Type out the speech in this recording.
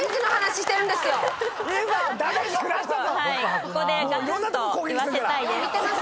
ここでがつんと言わせたいです。